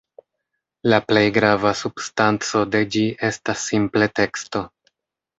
La plej grava substanco de ĝi estas simple teksto.